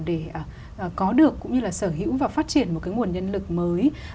để có được cũng như là sở hữu và phát triển một cái nguồn nhân lực mới